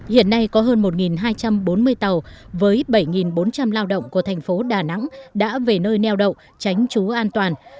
hiện nay có hơn một hai trăm bốn mươi tàu với bảy bốn trăm linh lao động của thành phố đà nẵng đã về nơi neo đậu tránh trú an toàn